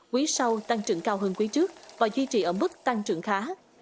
quý sau tăng trưởng cao hơn quý trước và duy trì ở mức tăng trưởng khá